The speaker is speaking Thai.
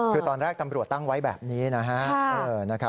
คือตอนแรกตำรวจตั้งไว้แบบนี้นะฮะ